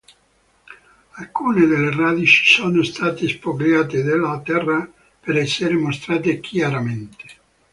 Alcune delle radici sono state spogliate della terra per essere mostrate chiaramente.